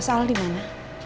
mas al dimana